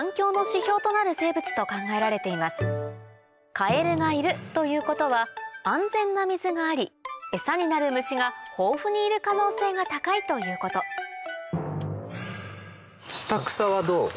カエルがいるということは安全な水があり餌になる虫が豊富にいる可能性が高いということどう？